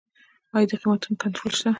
آیا د قیمتونو کنټرول شته؟